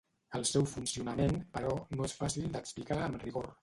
El seu funcionament, però, no és fàcil d'explicar amb rigor.